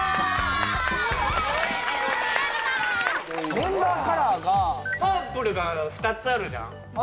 メンバーカラーがパープルが２つあるじゃん？